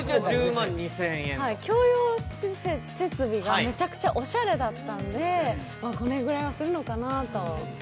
共用設備がめちゃくちゃおしゃれだったんでこれぐらいはするのかなと。